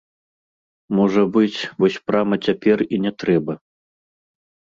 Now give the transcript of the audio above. Можа быць, вось прама цяпер і не трэба.